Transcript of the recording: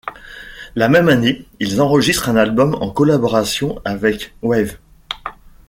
La même année ils enregistrent un album en collaboration avec Wavves.